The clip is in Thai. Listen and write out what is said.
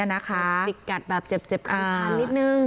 จิกกัดแบบเจ็บอ่านนิดนึง